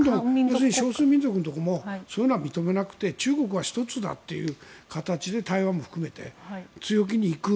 少数民族とかもそういうのは認めなくて中国は一つだという形で台湾も含めて強気に行く。